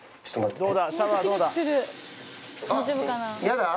どうだ？